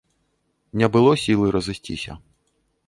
Не было сілы разысціся.